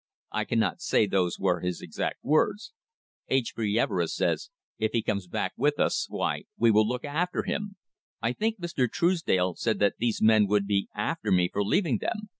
I cannot say those were his exact words. H. B. Everest says, 'If he comes back with us, why, we will look after him.' I think Mr. Truesdale said that these men would be after me for leaving them.